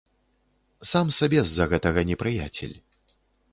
Сам сабе з-за гэтага непрыяцель.